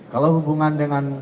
kalau hubungan dengan